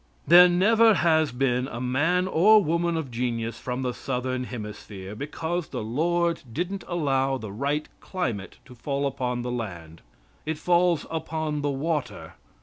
There never has been a man or woman of genius from the southern hemisphere, because the Lord didn't allow the right climate to fall upon the land. It falls upon the water.